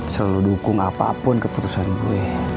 selalu dukung apapun keputusan gue